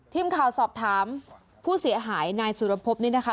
ทีมข่าวสอบถามผู้เสียหายนายสุรพบนี่นะคะ